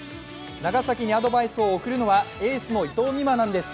長崎にアドバイスを送るのはエースの伊藤美誠なんです。